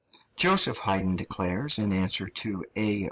Joseph Haydn declares, in answer to A.